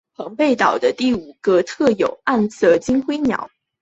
澎贝岛的第五个特有种暗色辉椋鸟被认为最近已经灭绝了。